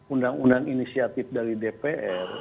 undang undang inisiatif dari dpr